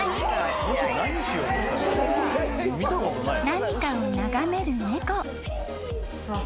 ［何かを眺める猫］